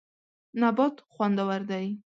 نبات خوندور دی.